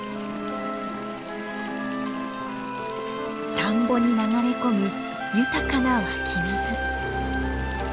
田んぼに流れ込む豊かな湧き水。